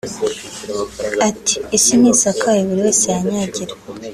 Ati “’Isi ntisakaye buri wese yanyagira’